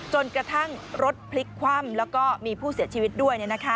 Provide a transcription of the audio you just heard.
จนกระทั่งรถพลิกคว่ำแล้วก็มีผู้เสียชีวิตด้วย